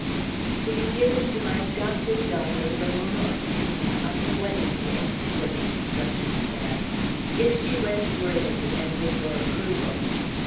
"To be given to my adopted daughter, Ramona Ortegna, on her wedding day," so the instructions ran, "if she weds worthily and with your approval.